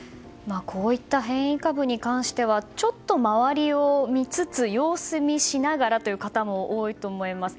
こういった変異株に関してはちょっと周りを見つつ様子見しながらという方も多いと思います。